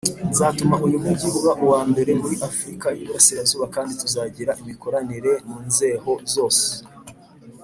Nzatuma uyu mujyi uba uwa mbere muri afurika y’Iburasirazuba kandi tuzagira imikoranire mu nzeho zose.